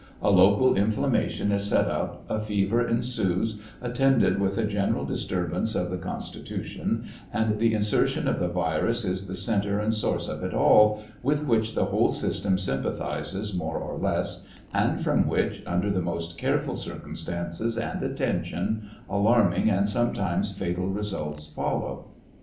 A local inflam mation is set up, a fever ensues, attended with a general disturbance of the con stitution, and the insertion of the virus is the centre and source of it all, with which the whole system sympathizes more or less, and from which, under the most careful circumstances and attention, alarming and sometimes fatal results follow.